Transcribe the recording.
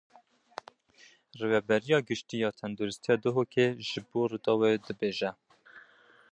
Rêveberiya Giştî ya Tendirustiya Duhokê ji bo Rûdawê dibêje.